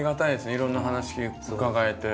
いろんな話伺えて。